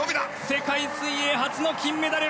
世界水泳初の金メダル。